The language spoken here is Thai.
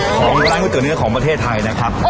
ของร้านก๋วเนื้อของประเทศไทยนะครับ